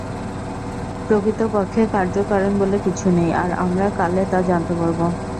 প্রকৃতপক্ষে কার্য-কারণ বলে কিছু নেই, আর আমরা কালে তা জানতে পারব।